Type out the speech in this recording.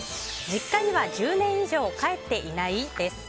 実家には１０年以上帰っていない？です。